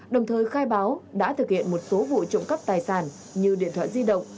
đồng thời khai báo đã thực hiện một số vụ trộm cắp tài sản như điện thoại di động